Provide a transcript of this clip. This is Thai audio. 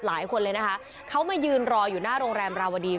หลายคนเลยนะคะเขามายืนรออยู่หน้าโรงแรมราวดี